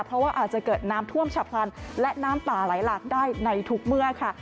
เพราะว่าอาจจะเกิดน้ำท่วมฉับพลันและน้ำป่าไหลหลากได้ในทุกเมื่อค่ะ